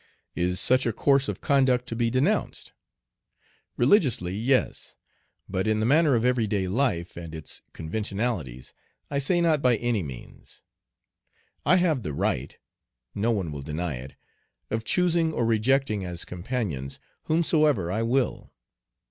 Is such a course of conduct to be denounced? Religiously, yes; but in the manner of every day life and its conventionalities, I say not by any means. I have the right no one will deny it of choosing or rejecting as companions whomsoever I will.